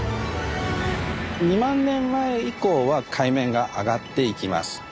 ２万年前以降は海面が上がっていきます。